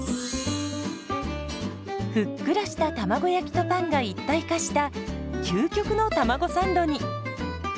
ふっくらした卵焼きとパンが一体化した究極のたまごサンドに。